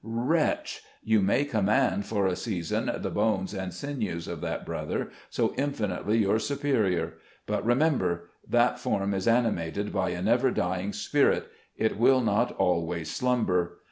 Wretch ! you may command, for a season, the bones and sinews of that brother, so infinitely your superior ; but, remember! that form is animated by a never dying spirit ! it will not always slumber